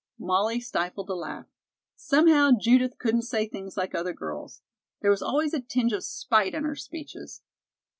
Molly stifled a laugh. Somehow Judith couldn't say things like other girls. There was always a tinge of spite in her speeches.